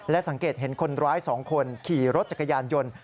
สังเกตเห็นคนร้าย๒คนขี่รถจักรยานยนต์